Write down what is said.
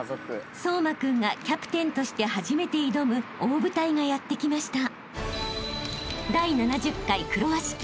［颯真君がキャプテンとして初めて挑む大舞台がやって来ました］